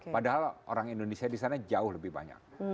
padahal orang indonesia di sana jauh lebih banyak